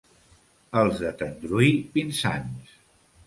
Els de Tendrui, pinsans.